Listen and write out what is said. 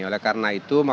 oleh karena itu